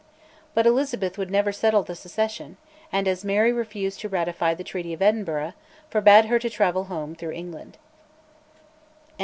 But Elizabeth would never settle the succession, and, as Mary refused to ratify the Treaty of Edinburgh, forbade her to travel home through England.